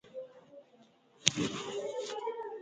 په ځیر ځیر مو ورته هېڅ نه و کتلي.